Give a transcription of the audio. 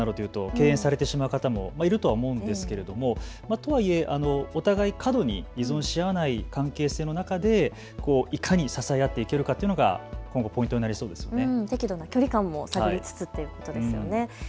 自治会活動となると敬遠されてしまう方もいると思うんですけれどもとはいえお互い過度に依存し合わない関係性の中でいかに支え合っていけるかというのが今後ポイントなりそうですよね。